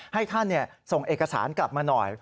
ให้ท่านส่งเอกสารกลับมาหน่อย